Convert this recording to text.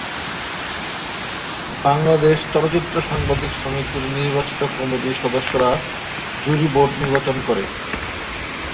বাংলাদেশ চলচ্চিত্র সাংবাদিক সমিতির নির্বাচিত কমিটির সদস্যরা জুরি বোর্ড নির্বাচন করে।